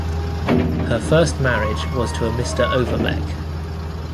Her first marriage was to a Mr. Overbeck.